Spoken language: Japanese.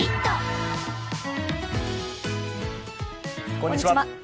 こんにちは。